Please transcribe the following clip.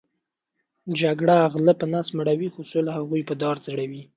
جګړه غلۀ په نس مړؤی خو سوله هغوې په دار ځړؤی